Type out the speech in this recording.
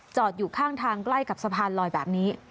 อยู่ข้างทางใกล้กับสะพานลอยแบบนี้